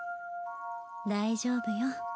大丈夫よ。